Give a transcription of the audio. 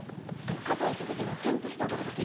「堅い職業のちゃんとした男と結婚しろ」。